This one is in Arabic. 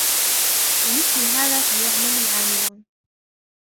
لمثل هذا فليعمل العاملون